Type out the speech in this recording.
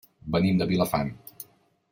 Venim de Vilafant.